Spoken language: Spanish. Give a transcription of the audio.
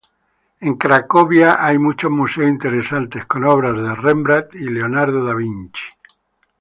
En Cracovia, hay muchos museos interesantes, con obras de Rembrandt y Leonardo da Vinci.